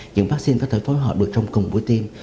những vaccine có thể phối hợp được trong cùng buổi tiêm